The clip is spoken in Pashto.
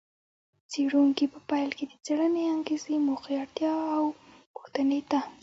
څېړونکي په پیل کې د څېړنې انګېزې، موخې، اړتیا او پوښتنې ته